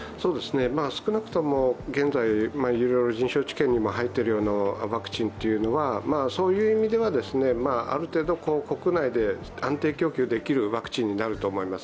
少なくとも現在、臨床治験にも入っているようなワクチンはそういう意味ではある程度、国内で安定供給できるワクチンになると思います。